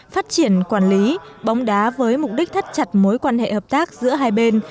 phát triển quản lý bóng đá với mục đích thắt chặt mối quan hệ hợp tác giữa hai bên